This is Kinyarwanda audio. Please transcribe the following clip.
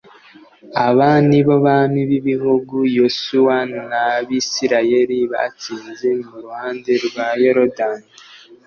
aba ni bo bami b ibihugu yosuwa n abisirayeli batsinze mu ruhande rwa yorodani